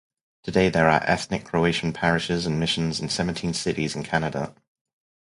Today there are ethnic Croatian parishes and missions in seventeen cities in Canada.